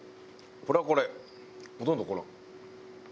これはこれほとんどこの。